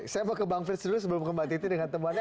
saya mau ke bang frits dulu sebelum ke mbak titi dengan temannya